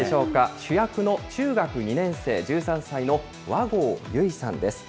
主役の中学２年生、１３歳の和合由依さんです。